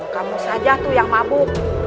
kamu saja tuh yang mabuk